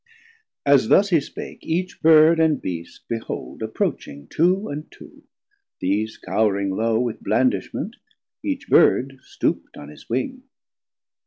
As thus he spake, each Bird and Beast behold Approaching two and two, These cowring low 350 With blandishment, each Bird stoop'd on his wing.